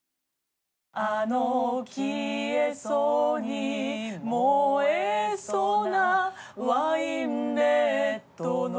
「あの消えそうに燃えそうなワインレッドの」